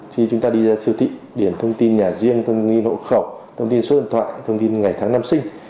khi chúng ta đi ra siêu thị điển thông tin nhà riêng thông nghi hộ khẩu thông tin số điện thoại thông tin ngày tháng năm sinh